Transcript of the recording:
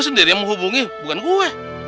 kan lu sendiri yang menghubungi bukan gua